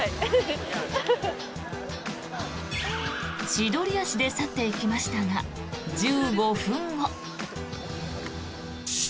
千鳥足で去っていきましたが１５分後。